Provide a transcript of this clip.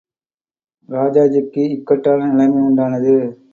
ராஜாஜிக்கு இக்கட்டான நிலைமை உண்டானது.